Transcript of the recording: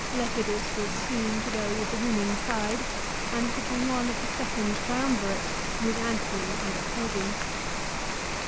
Lepidus was soon to go with the winning side, and became one of the second triumvirate with Antony and Octavian.